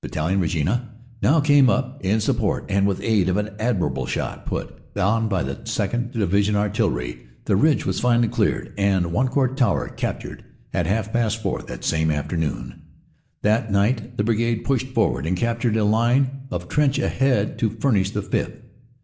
Battalion, Regina, now came up in sup port, and with aid of an admirable shoot put on by the 2nd. 126 CANADA S HUNDRED DAYS Divisional Artillery, the ridge was finally cleared and Wan court Tower captured at half past four the same afternoon. That night the Brigade pushed forward and captured a line of trench ahead to furnish the 5th.